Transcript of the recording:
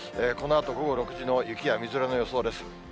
このあと午後６時の雪やみぞれの様子です。